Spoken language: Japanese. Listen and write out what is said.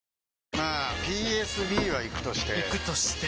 まあＰＳＢはイクとしてイクとして？